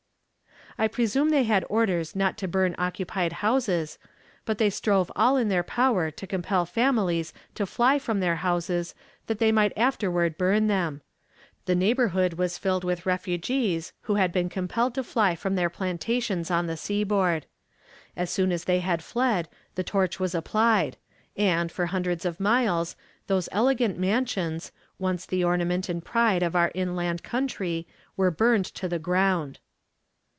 I presume they had orders not to burn occupied houses, but they strove all in their power to compel families to fly from their houses that they might afterward burn them. The neighborhood was filled with refugees who had been compelled to fly from their plantations on the seaboard. As soon as they had fled, the torch was applied, and, for hundreds of miles, those elegant mansions, once the ornament and pride of our inland country, were burned to the ground.